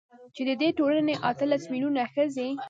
چـې د دې ټـولـنې اتـلس مـيلـيونـه ښـځـې .